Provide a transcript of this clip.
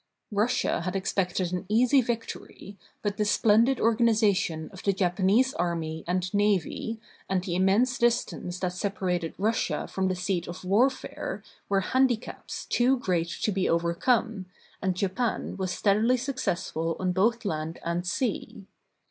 Russia had expected an easy victory, but the splendid organization of the Japan ese army and navy and the immense distance that separated Russia from the seat of warfare were handicaps too great to be overcome, and Japan was steadily successful on both land and sea.